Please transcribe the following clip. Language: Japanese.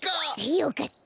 よかった。